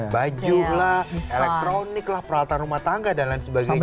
baju lah elektronik lah peralatan rumah tangga dan lain sebagainya